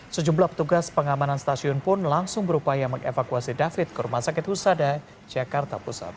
sejumlah petugas pengamanan stasiun pun langsung berupaya mengevakuasi david ke rumah sakit husada jakarta pusat